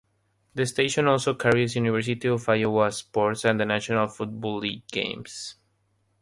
The station also carries University of Iowa sports and National Football League games.